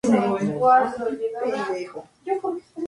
El manuscrito se conserva en el Archivo del Estado de Pisa.